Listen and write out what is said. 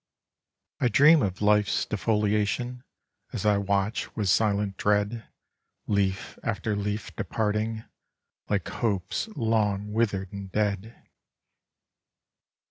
I dream of life's defoliation, as I watch with silent dread, leaf after leaf departing, like hopes long withered and dead.